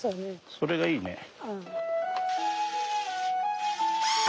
それがいいね。